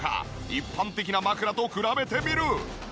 一般的な枕と比べてみる。